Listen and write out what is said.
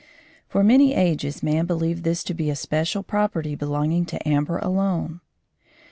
For many ages man believed this to be a special property belonging to amber alone.